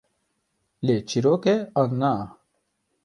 Lê çîrok e, an na?